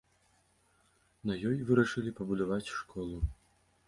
На ёй вырашылі пабудаваць школу.